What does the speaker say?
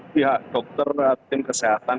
pihak dokter tim kesehatan